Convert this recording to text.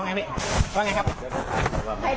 ว่าไงครับ